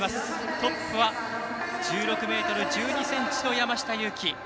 トップは１６ｍ１２ｃｍの山下祐樹。